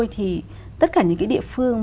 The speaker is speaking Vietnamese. thì tất cả những cái địa phương